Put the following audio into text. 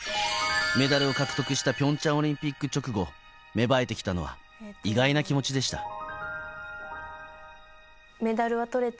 メダルを獲得したピョンチャンオリンピック直後、芽生えてきたのは意外な気持ちでした。